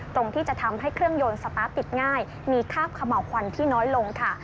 ตรงที่จะทำให้เครื่องยนต์สตาร์ทติดง่ายมีคาบขม่าวควันที่น้อยลงค่ะ